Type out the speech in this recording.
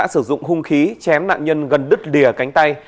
sử dụng hung khí chém nạn nhân gần đứt lìa cánh tay